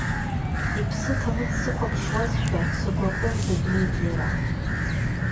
Иԥсы ҭаны дсыхәаԥшуазшәа сгәы аҟынӡа днеит иара.